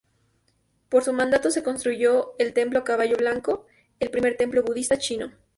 Por su mandato se construyó el Templo Caballo Blanco, el primer templo budista chino.